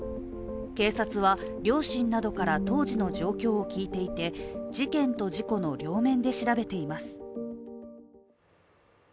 警察は両親などから当時の状況を聞いていて事件と事故の両面で調べています。